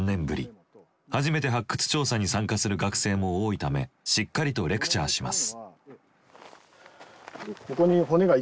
初めて発掘調査に参加する学生も多いためしっかりとレクチャーします。